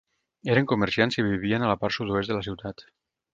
Eren comerciants i vivien a la part sud-oest de la ciutat.